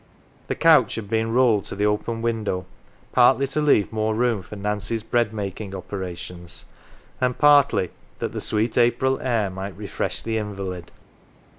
The couch had been rolled to the open window, partly to leave more room for Nancy's bread making operations, and partly that the sweet April air might refresh the invalid.